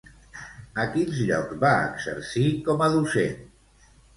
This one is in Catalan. A quins llocs va exercir com a docent?